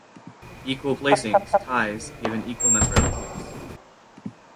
Equal placings (ties) give an equal number of points.